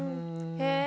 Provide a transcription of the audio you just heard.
へえ。